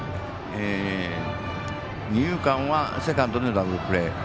二遊間はセカンドでダブルプレー。